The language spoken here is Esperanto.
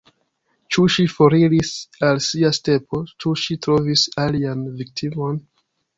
Ĉu ŝi foriris al sia stepo, ĉu ŝi trovis alian viktimon?